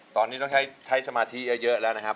ตอนนี้ต้องใช้สมาธิเยอะแล้วนะครับ